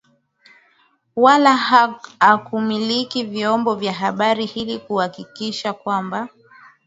wala kumiliki vyombo vya Habari ili kuhakikisha kwamba